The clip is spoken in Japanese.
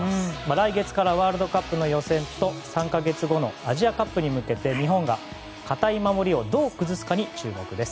来月からワールドカップの予選と３か月後のアジアカップに向けて日本が堅い守りをどう崩すかに注目です。